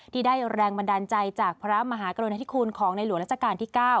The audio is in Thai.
ได้แรงบันดาลใจจากพระมหากรณาธิคุณของในหลวงราชการที่๙